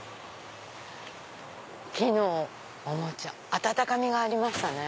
木のおもちゃ温かみがありましたね。